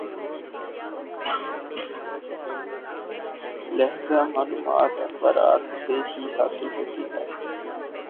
لہذا معلومات اخبارات سے ہی حاصل ہوتی ہیں۔